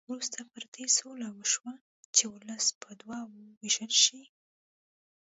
وروسته پر دې سوله وشوه چې ولس په دوه وو وېشل شي.